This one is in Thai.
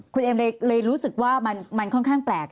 คุณเอมเลยรู้สึกว่ามันค่อนข้างแปลก